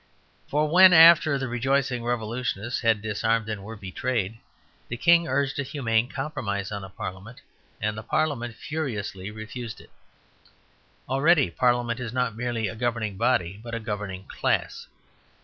For when, after the rejoicing revolutionists had disarmed and were betrayed, the King urged a humane compromise on the Parliament, the Parliament furiously refused it. Already Parliament is not merely a governing body but a governing class.